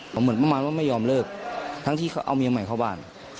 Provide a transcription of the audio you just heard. ผมเหมือนประมาณว่าไม่ยอมเลิกทั้งที่เขาเอาเมียใหม่เข้าบ้าน